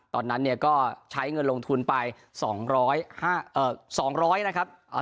ตอนนั้นเนี่ยก็ใช้เงินลงทุนไปสองร้อยห้าเอ่อสองร้อยนะครับเอ่อ